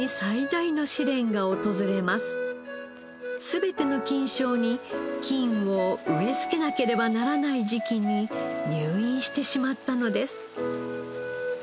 全ての菌床に菌を植え付けなければならない時期に入院してしまったのです。